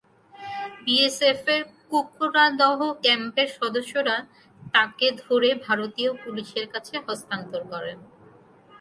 বিএসএফের কুকরাদহ ক্যাম্পের সদস্যরা তাঁকে ধরে ভারতীয় পুলিশের কাছে হস্তান্তর করেন।